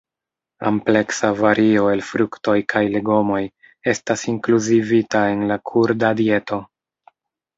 Ampleksa vario el fruktoj kaj legomoj estas inkluzivita en la kurda dieto.